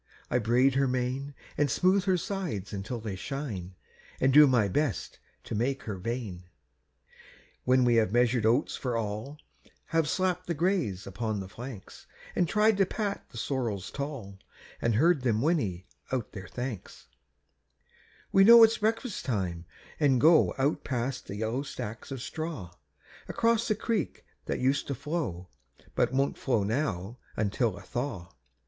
I braid her mane, An' smooth her sides until they shine, An' do my best to make her vain. When we have measured oats for all, Have slapped the grays upon the flanks, An' tried to pat the sorrels tall, An' heard them whinny out their thanks, We know it's breakfast time, and go Out past the yellow stacks of straw, Across the creek that used to flow, But won't flow now until a thaw.